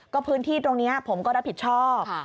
ก็พื้นที่ตรงนี้ผมก็รับผิดชอบ